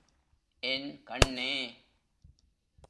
என் கண்ணே!